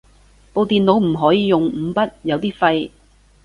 部電腦唔可以用五筆，有啲廢